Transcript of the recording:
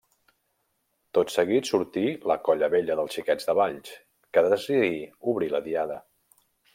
Tot seguit sortí la Colla Vella dels Xiquets de Valls, que decidí obrir la diada.